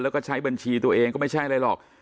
แล้วก็ใช้บัญชีตัวเองก็ไม่ใช่อะไรหรอก